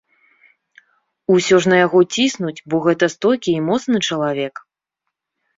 Усё ж на яго ціснуць, бо гэта стойкі і моцны чалавек?